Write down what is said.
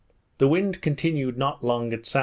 The wind continued not long at S.W.